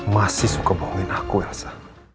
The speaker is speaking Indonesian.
masih suka bohongin aku rasa